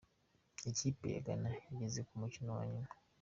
Ikipe ya Ghana yageze ku mukino wa nyuma.